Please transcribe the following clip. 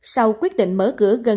sau quyết định mở cửa